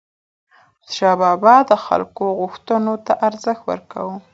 احمدشاه بابا د خلکو غوښتنو ته ارزښت ورکاوه.